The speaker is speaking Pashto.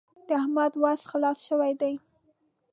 د احمد وس خلاص شوی دی.